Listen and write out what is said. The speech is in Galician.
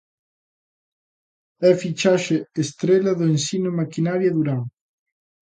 E fichaxe estrela do Ensino Maquinaria Duran.